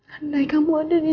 andai kamu ada di sini mas